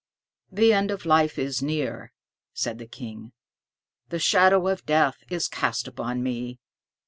"The end of life is near," said the King; "the shadow of death is cast upon me.